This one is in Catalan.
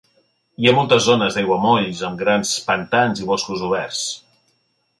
Hi ha moltes zones d'aiguamolls amb grans pantans i boscos oberts.